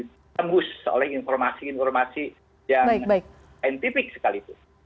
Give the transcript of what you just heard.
yang ditembus oleh informasi informasi yang antipik sekali